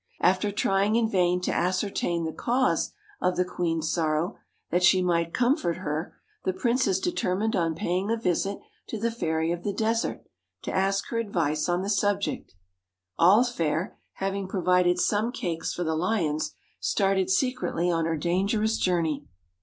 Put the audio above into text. After trying in vain to ascertain the cause of the queen's sorrow, that she might comfort her, the princess determined on paying a visit to the Fairy of the Desert, to ask her advice on the subject All fair, having provided some cakes for the lions, started secretly on her danger 100 DWARF ous journey.